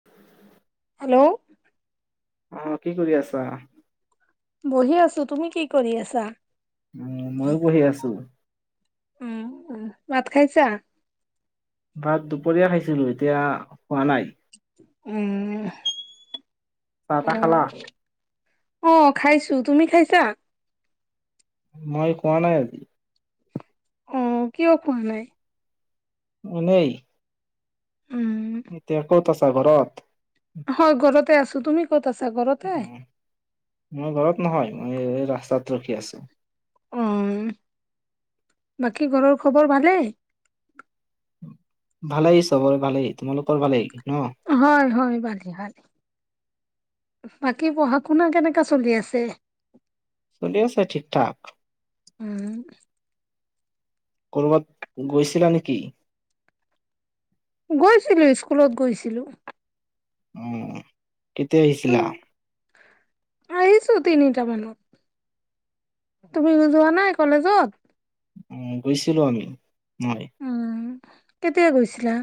[inaudible] Hello. অ', কি কৰি আছা? বহি আছোঁ, তুমি কি কৰি আছা? উম, ময়ো বহি আছোঁ। উম, উম, ভাত খাইছা? ভাত দুপৰীয়া খাইছিলোঁ, এতিয়া খোৱা নাই। উম, চাহ তাহ উম। খালা? অ', খাইছোঁ, তুমি খাইছা? মই খোৱা নাই আজি। অ', কিয় খোৱা নাই? এনেই। উম। এতিয়া ক'ত আছা ঘৰত? হয়, ঘৰতে আছোঁ, তুমি ক'ত আছা ঘৰতে? উম, মই ঘৰত নহয়, মই ৰাস্তাত ৰখি আছোঁ। উম, বাকী ঘৰৰ খবৰ ভালেই? ভালেই চবৰে ভালেই, তোমালোকৰ ভালেই ন'? হয়, হয়, ভালে ভালে। বাকী পঢ়া-শুনা কেনেকা চলি আছে? চলি আছে ঠিক ঠাক। উম। ক'ৰবাত গৈছিলা নেকি? গৈছিলোঁ, স্কুলত গৈছিলোঁ। অ', কেতিয়া আহিছিলা? আহিছোঁ তিনিটা মানত। তুমি যোৱা নাই কলেজত? অ গৈছিলোঁ আমি, মই। উম কেতিয়া গৈছিলা?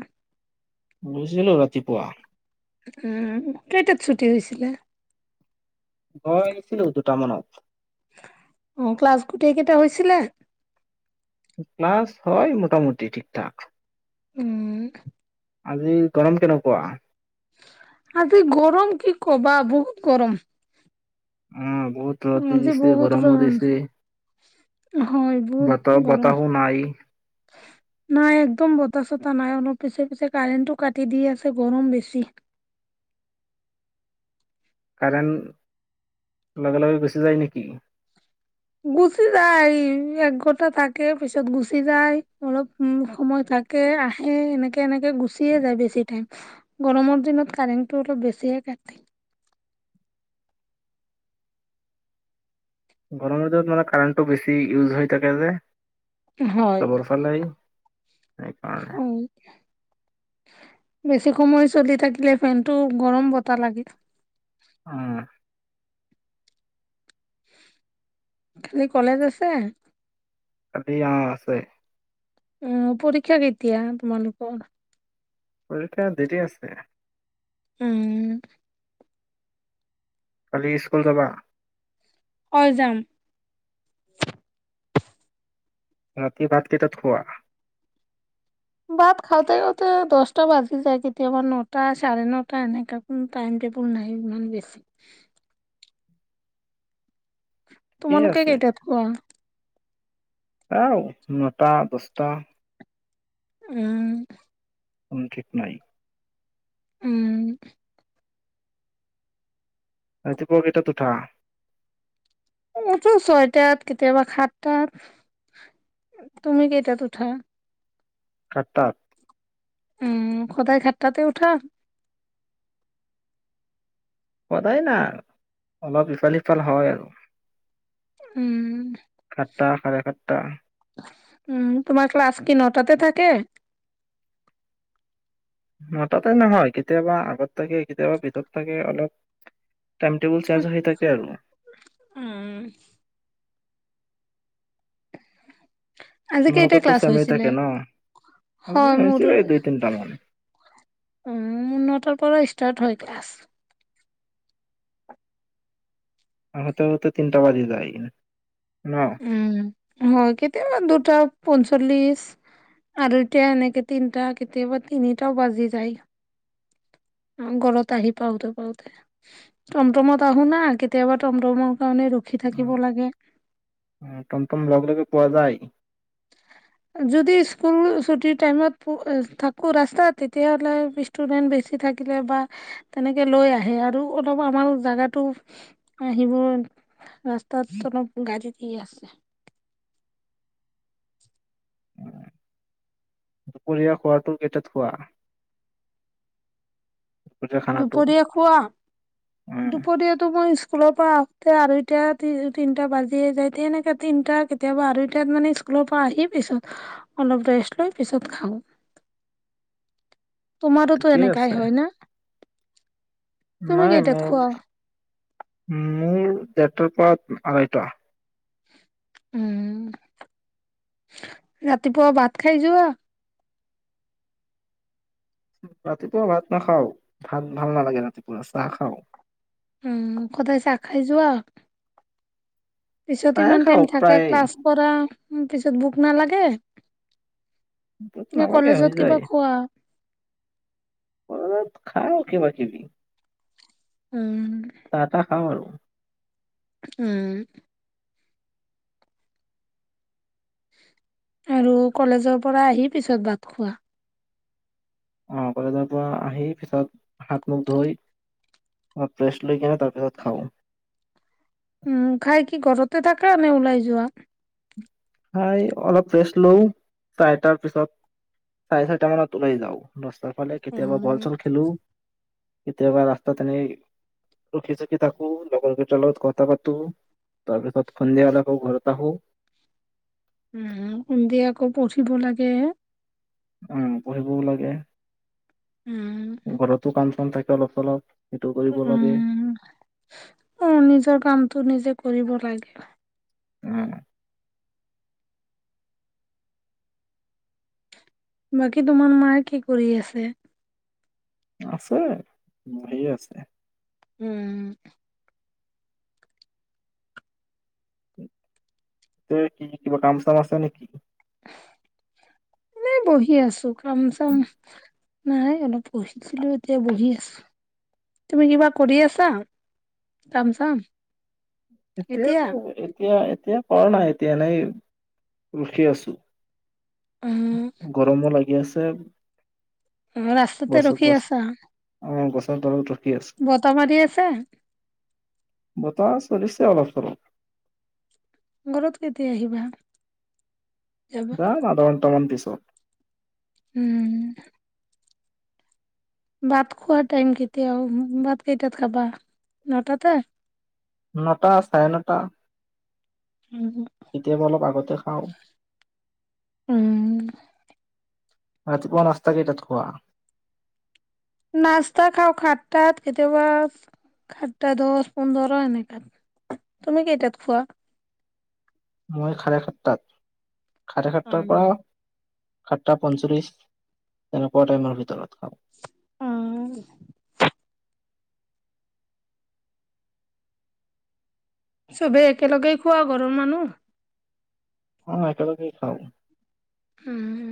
গৈছিলোঁ ৰাতিপুৱা। উম কেইটাত ছুটি হৈছিলে? গৈ আহিছিলোঁ দুটামানত। অ ক্লাছ গোটেইকেইটা হৈছিলে? ক্লাছ হয় মোটামুটি ঠিকঠাক। উম। আজি গৰম কেনেকুৱা? আজি গৰম কি কবা বহুত গৰম। উম বহুত ৰ'দ আজি দিছে বহুত গৰম ৰ'দ দিছে। হয় বহুত গৰম বতা-বতাহো নাই। নাই একদম বতাহ-চতাহ নাই অলপ পিছে পিছে কাৰেণ্টো কাটি দি আছে গৰম বেছি। কাৰেণ্ট লগে লগে গুছি যায় নেকি? গুচি যায় এক ঘণ্টা থাকে পিছত গুচি যায় অলপ উম সময় থাকে আহে এনেকে এনেকে গুচিয়ে যায় বেছি টাইম। গৰমৰ দিনত কাৰেণ্টটো অলপ বেছিয়ে কাটে। গৰমৰ দিনত মানে কাৰেণ্টটো বেছি ইউজ হৈ থাকে যে, চবৰ ফালেই অ। বেছি সময় চলি থাকিলে ফেনটো গৰম বতাহ লাগি উম। কালি কলেজ আছে? কালি অ আছে। উ পৰীক্ষা কেতিয়া তোমালোকৰ? পৰীক্ষা দেৰি আছে। উম। কালি স্কুল যাবা? হয় যাম। ৰাতি ভাত কেইটাত খোৱা? ভাত খাওঁতে খাওঁতে দহটা বাজি যায় কেতিয়াবা নটা চাৰে নটা এনেকা। উ টাইম টেবুল নাই ইমান বেছি। কি তোমালোকে আছে। কেইটাত খোৱা আও নটা দছটা উম। কোনো ঠিক নাই। উম। ৰাতিপুৱকেইটাত উঠা? উঠো ছয়টাত কেতিয়াবা সাতটাত। তুমি কেইটাত উঠা? সাতটাত। উম সদায় সাতটাতে উঠা? সদায় না অলপ ইফাল সিফাল হয় আৰু। উম। সাতটা চাৰেসাতটা উম তোমাৰ ক্লাছ কি নটাতে থাকে? নটাতে নহয় কেতিয়াবা আগত থাকে কেতিয়াবা পিছত থাকে অলপ টাইম টেবুল চেঞ্জ হৈ থাকে আৰু উম আজি কেইটা তোমালোকৰতো ক্লাছ চেম হৈ হৈছিলে থাকে ন আজি হয় মোৰে হৈছিলে দুই তিনটা মান উম নটাৰ পৰা ষ্টাৰ্ট হয় ক্লাছ আহোঁতে আহোঁতে তিনটা বাজি যায় ন উম হয় কেতিয়াবা দুটা পঞ্চল্লিশ আঢ়ৈটা এনেকে তিনটা কেতিয়াবা তিনটাও বাজি যায় ঘৰত আহি পাওতে পাওতে টমটমত আহো না কেতিয়াবা টমটমৰ কাৰণে ৰ ৰখি অ', থাকিব লাগে অ টমটম লগ লগে পোৱা যায় [inaudible] যদি স্কুল চুটি টাইমত পো থাকোঁ ৰাস্তাত তেতিয়াহলে পিছ ষ্টুডেন্ট বেছি থাকিলে বা তেনেকে লৈ আহে আৰু অলপ আমাৰ জাগা টো আহিবৈ ৰাস্তাত অলপ গাড়ী দি আছে দুপৰীয়া খোৱাটো কেইটাত খোৱা দুপৰীয়া খানাটো দুপৰীয়া খোৱা [unintelligible] দুপৰীয়াতো মই স্কুলৰ পৰা আহোতে আঢ়ৈতা তিনটা বাজিয়ে যায় এনেকে তিনটা কেতিয়াবা আঢ়ৈ টাত মানে স্কুলৰ পা আহিয়ে পাইছো অলপ ৰেষ্ট লৈ পিছত খাওঁ [inaudible] তোমাৰো ত ঠিকেই আছে এনেকাই হয় না তুমি নাই কেইটাত খোৱা মোৰ মোৰ ডেৰটাৰ পা আঢ়ৈটা উম ৰাতিপুৱা ভাত খাই যোৱা ৰাতিপুৱা ভাত নাখাও ভাত ভাল নালাগে ৰাতিপুৱা চাহ খাও উম সদায় চাহ খাই যোৱা পিছত প্ৰায়ে ইমান টাইম খাওঁ থাকা প্ৰায়ে ক্লাছ কৰা পিছত ভোক নালাগে ভোক নে নালাগে হৈ কলেজত যায় কিবা খোৱা কলেজত খাওঁ কিবা কিবি উম চাহ তাহ খাওঁ আৰু উম আৰু কলেজৰ পৰা আহি পিছত ভাত খোৱা অ কলেজৰ পৰা আহি পিছত হাত মুখ ধুই অলপ ৰেষ্ট লৈ কিনে তাৰপিছত খাওঁ উম খাই কি ঘৰতে থাকা নে ওলাই যোৱা খাই অলপ ৰেষ্ট লও চাৰিটাৰ পিছত চাৰে চাৰিটা মানত ওলাই যাও ৰাস্তাৰ ফালে কেতিয়াবা উম বল চল খেলো কেতিয়াবা ৰাস্তাত এনেই ৰখি চখি থাকো লগৰ কেইটাৰ লগত কথা পাতো তাৰপিছত সন্ধিয়া হ'লে আকৌ ঘৰত আহো উম সন্ধিয়া আকৌ পঢ়িব লাগে উম পঢ়িবও লাগে উম ঘৰতো কাম চাম থাকে অলপ চলপ সেইটো কৰিব লাগে উম অ নিজৰ কামটো নিজে কৰিব লাগে উম। বাকী তোমাৰ মায়ে কি কৰি আছে? আছে [unintelligible] আছে। উম। এ কি কি কিবা কাম চাম আছে নেকি? এনে বহি আছো কাম চাম নাই অলপ পঢ়িছিলো এতিয়া বহি আছো। তুমি কিবা কৰি আছা কাম চাম? এতিয়া এতিয়াতো এতিয়া এতিয়া কৰা নাই এতিয়া এনেই ৰখি আছো। উম গৰমো লাগি আছে। অ', ৰাস্তাতে গছত ৰখি গছ আছা? অ', গছৰ তলত ৰখি আছো বতাহ মাৰি আছে? বতাহ চলিচে অলপ চলপ। ঘৰত কেতিয়া আহিবা? যাবা যাম আধা ঘণ্টা মান পিছত। উম। ভাত খোৱাৰ টাইম কেতিয়াও ভাত কেইটাত খাবা নটাতে? নটা চাৰে নটা। উম কেতিয়াবা অলপ আগতে খাওঁ। উম, ৰাতিপুৱা নাস্তা কেইটাত খোৱা? নাস্তা খাওঁ সাতটাত কেতিয়াবা সাতটা দহ পোন্ধৰ এনেকুৱাত, তুমি কেইটাত খোৱা? মই চাৰে সাতটাত চাৰে সাততাৰ পৰা সাতটা পঞ্চলিছ তেনেকুৱা টাইমৰ ভিতৰত খাওঁ। উম। চবেই একেলগেই খোৱা ঘৰৰ মানুহ? অ', একেলগেই খাওঁ। উম।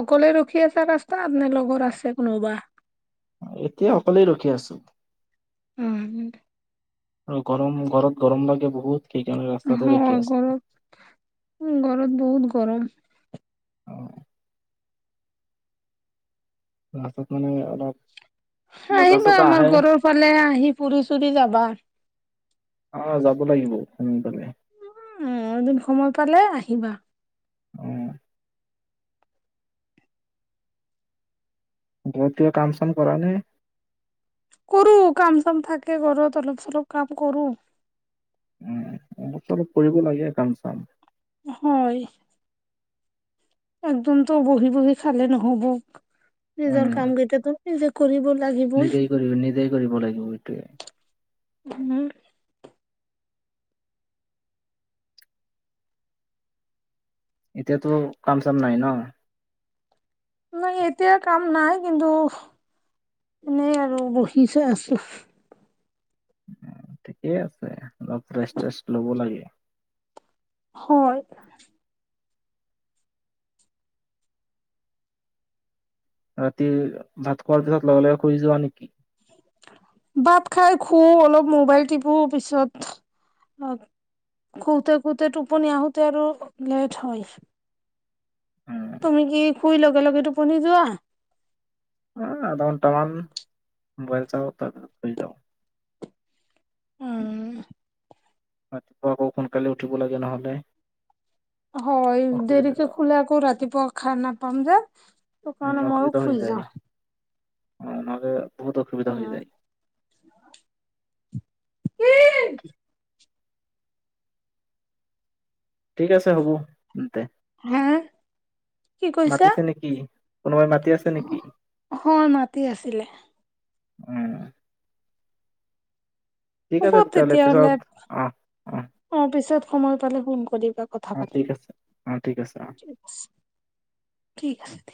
অকলে ৰখি আছা ৰাস্তাত নে লগৰ আছে কোনোবা? এতিয়া অকলেই ৰখি আছো। উম, উম। গৰম ঘৰত গৰম লাগে বহুত। সেইকাৰণে ৰাস্তাতে ৰখি অ', আছো ঘৰত ঘৰত বহুত গৰম। অ আগত মানে অলপ বতাহ আহিবা চতাহ আমাৰ আহে ঘৰৰ ফালে আহি ফুৰি চুৰি যাবা।। অ', যাব লাগিব সোনকালে। উম, এদিন সময় পালে আহিবা। উম। ঘৰত কিবা কাম চাম কৰানে? কৰো কাম চাম থাকে ঘৰত অলপ চলপ কাম কৰো। উম, অলপ চলপ কৰিব লাগে কাম চাম। হয়। একদমতো বহি বহি খালে নহ'ব নিজৰ উম, কাম কেইটাতো নিজে কৰিব লাগিব। নিজেই কৰিব নিজেই কৰিব লাগিব সেইটোৱেই। হম। এতিয়া তো কাম-চাম নাই ন। মানে এতিয়া কাম নাই কিন্তু, এনেই আৰু বহিচো আছো। উম, ঠিকেই আছে অলপ ৰেষ্ট-চেষ্ট ল'ব লাগে। হয়। ৰাতি, ভাত খোৱাৰ পিছত লগে-লগে শুই যোৱা নেকি? ভাত খাই শুও অলপ মোবাইল টিপো পিছত- অ', শুতে-শুতে টোপনি আহোতে আৰু লেট হয়। উম, তুমি কি শুই লগে লগে টোপনি যোৱা? অ', আধাঘণ্টামান, মোবাইল চাওঁ তাৰ পিছত শুই যাওঁ। উম। ৰাতিপুৱা আকৌ সোনকালে উঠিব লাগে নহলে। হয় অসুবিধা দেৰিকে শুলে আকৌ ৰাতিপুৱা সাৰ নাপাম যে। উম কাৰণে মইও অসুবিধা হৈ শুই যায়, যাওঁ অ', নহলে বহুত অসুবিধা হৈ যায়। উম। ঠিক আছে হ'ব তেন্তে, হা কি কৈছা মাতিছে নেকি? কোনোবাই মাতি আছে? নেকি? হয় মাতি আছিলে। উম। ঠিক হ'ব আছে তেতিয়াহ'লে। পিছত অ' অ', পিছত সময় পালে ফোন কৰিবা কথা অ' পাতিম। ঠিক আছে অ' ঠিক আছে অ'। ঠিক আছে।